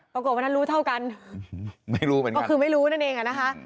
ปรากฏว่านั้นรู้เท่ากันไม่รู้แบบกันคือไม่รู้นั่นเองนะคะ